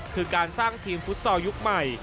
คือการสร้างทีมฟุตซอลยุคใหม่